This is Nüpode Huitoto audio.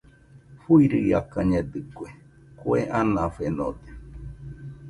Fuiakañedɨkue, kue anafenode.